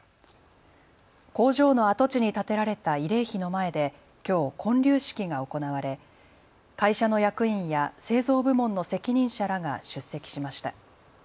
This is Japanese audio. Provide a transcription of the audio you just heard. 工場の跡地に建てられた慰霊碑の前できょう建立式が行われ会社の役員や製造部門の責任者らが出席しました。